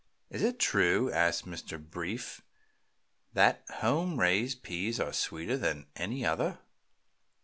"Is it true," asked Mr. Brief, "that home raised peas are sweeter than any other?"